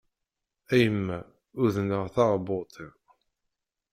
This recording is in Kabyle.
A yemma, uḍneɣ taɛebbuḍt-iw!